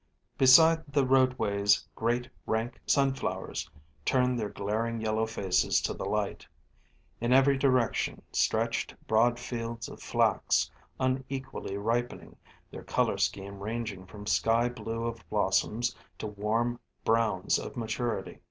Beside the roadways great, rank sunflowers turned their glaring yellow faces to the light. In every direction stretched broad fields of flax; unequally ripening, their color scheme ranging from sky blue of blossoms to warm browns of maturity.